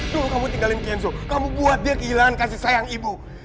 tuh kamu tinggalin kenzo kamu buat dia kehilangan kasih sayang ibu